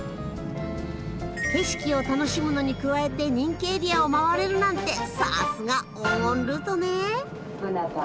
景色を楽しむのに加えて人気エリアを回れるなんてさすが黄金ルートね。